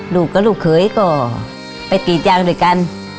ลูกกับลูกเขยก็ไปตียางด้วยกัน